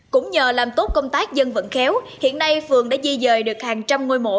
cũng nhờ làm tốt công tác dân vận khéo hiện nay phường đã di dời được hàng trăm ngôi mộ